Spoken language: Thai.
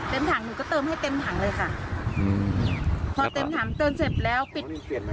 ถังหนูก็เติมให้เต็มถังเลยค่ะอืมพอเต็มถังเติมเสร็จแล้วปิด